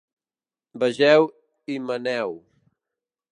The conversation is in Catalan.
Vegeu Himeneu.